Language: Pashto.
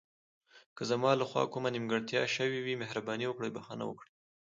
که زما له خوا کومه نیمګړتیا شوې وي، مهرباني وکړئ بښنه وکړئ.